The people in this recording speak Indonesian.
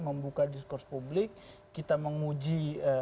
membuka diskurs publik kita menguji